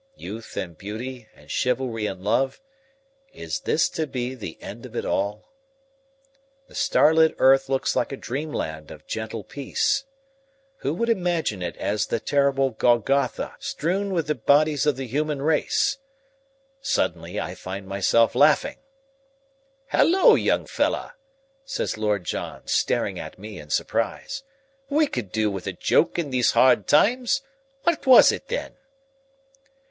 Youth and beauty and chivalry and love is this to be the end of it all? The starlit earth looks a dreamland of gentle peace. Who would imagine it as the terrible Golgotha strewn with the bodies of the human race? Suddenly, I find myself laughing. "Halloa, young fellah!" says Lord John, staring at me in surprise. "We could do with a joke in these hard times. What was it, then?"